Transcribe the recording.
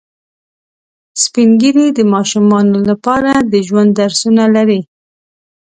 سپین ږیری د ماشومانو لپاره د ژوند درسونه لري